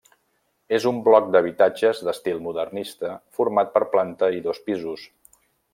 És un bloc d'habitatges d'estil modernista format per planta i dos pisos.